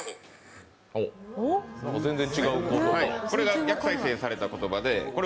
これが逆再生された言葉です。